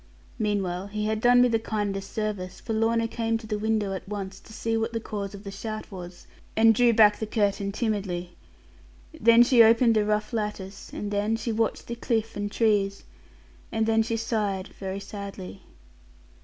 Meanwhile he had done me the kindest service; for Lorna came to the window at once, to see what the cause of the shout was, and drew back the curtain timidly. Then she opened the rough lattice; and then she watched the cliff and trees; and then she sighed very sadly.